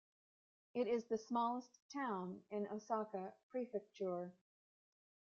It is the smallest town in Osaka Prefecture.